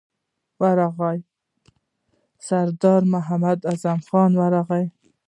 سردار محمد اعظم خان ورغی.